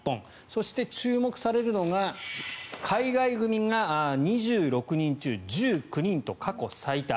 そして、注目されるのが海外組が２６人中１９人と過去最多。